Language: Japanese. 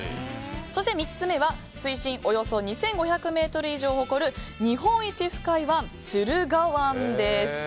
そして３つ目は水深およそ２５０ｍ以上を誇る日本一深い湾、駿河湾です。